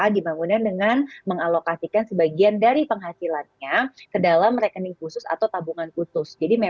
dibangunkan dengan mengalokasikan sebagian dari penghasilannya ke dalam rekening khusus atau tabungan khusus